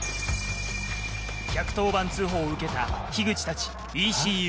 １１０番通報を受けた口たちＥＣＵ